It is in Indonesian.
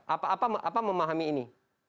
apa apa memahami ini